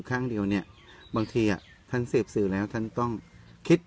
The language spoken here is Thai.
ครั้งเดียวเนี่ยบางทีท่านสืบสื่อแล้วท่านต้องคิด